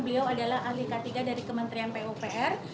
beliau adalah ahli k tiga dari kementerian pupr